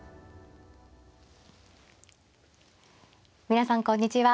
皆さんこんにちは。